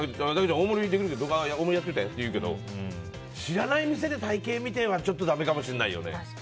大盛りにできるって言われたらやっといてって言うけど知らない店ではちょっとだめかもしれないね。